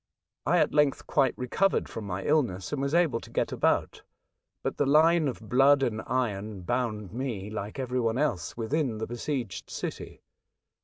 I at length quite recovered from my illness and was able to get about; but the line of ^' blood and iron" bound me, like every one else, within the besieged city.